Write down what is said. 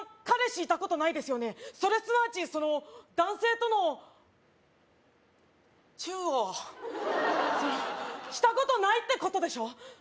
彼氏いたことないですよねそれすなわちその男性とのチュウをそのしたことないってことでしょ？